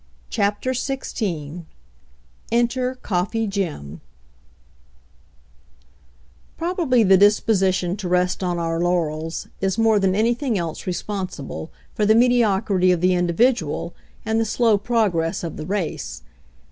CHAPTER XVI ENTER COFFEE JIM Probably the disposition to rest on our lau rels is more than anything else responsible for the mediocrity of the individual and the slow progress of the race.